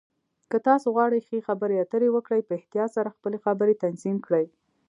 که تاسو غواړئ ښه خبرې اترې وکړئ، په احتیاط سره خپلې خبرې تنظیم کړئ.